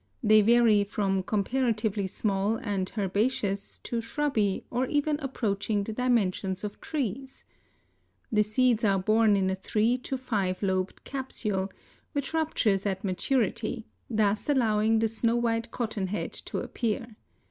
They vary from comparatively small and herbaceous to shrubby or even approaching the dimensions of trees. The seeds are borne in a three to five lobed capsule, which ruptures at maturity, thus allowing the snow white cotton head to appear.